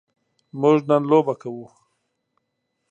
موږ نن لوبه کوو.